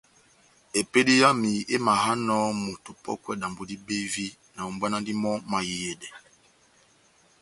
Epédi yami émahánɔ moto opɔ́kwɛ dambo dibevi, nahombwanandi mɔ́ mahiyedɛ.